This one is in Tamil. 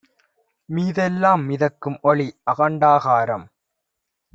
மீதெல்லாம் மிதக்கும்ஒளி, அகண்டாகாரம்